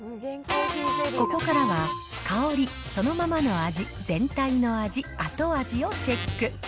ここからは、香り、そのままの味、全体の味、後味をチェック。